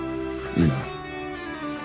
いいな？